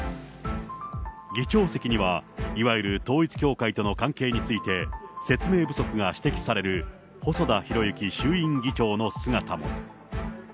議長席にはいわゆる統一教会との関係について、説明不足が指摘される細田博之衆院議長の姿も。